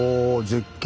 「絶景！